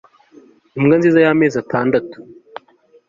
Imbwa nziza yamezi atandatu